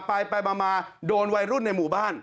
ไปมาโดนวัยรุ่นในหมู่บ้าน